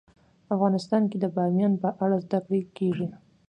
افغانستان کې د بامیان په اړه زده کړه کېږي.